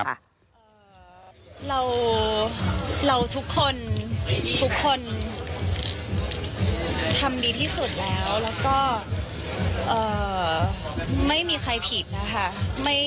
เราทุกคนทุกคนทำดีที่สุดแล้วแล้วก็ไม่มีใครผิดนะคะ